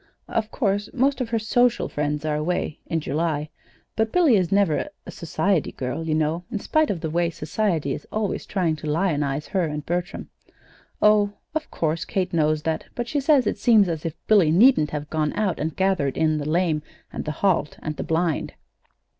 "Of course, most of her social friends are away in July; but Billy is never a society girl, you know, in spite of the way Society is always trying to lionize her and Bertram." "Oh, of course Kate knows that; but she says it seems as if Billy needn't have gone out and gathered in the lame and the halt and the blind."